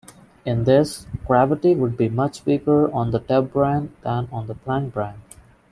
In this, gravity would be much weaker on the Tevbrane than on the Planckbrane.